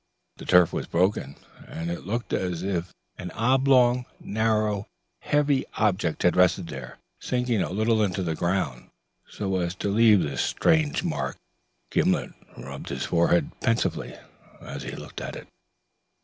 The turf was unbroken, and it looked as if an oblong, narrow, heavy object had rested there, sinking a little into the ground so as to leave this strange mark. Gimblet rubbed his forehead pensively, as he looked at it.